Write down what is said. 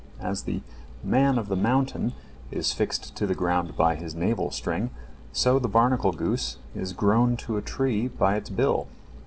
" As the "man of the mountain" is fixed to the ground by his navel string, so the barnacle goose is grown to a tree by its bill.